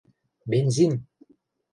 — Бензин!